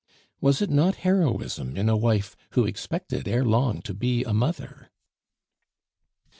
Was it not heroism in a wife who expected ere long to be a mother?